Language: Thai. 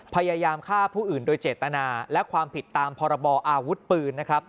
พยายามฆ่าผู้อื่นโดยเจตนาและความผิดตามพรบออาวุธปืนนะครับ